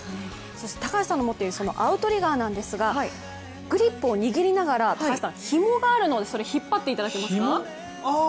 そして、高橋さんの持っているアウトリガーですがグリップを握りながらひもがあるのを引っ張っていただけますか。